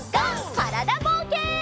からだぼうけん。